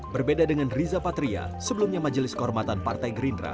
berbeda dengan riza patria sebelumnya majelis kehormatan partai gerindra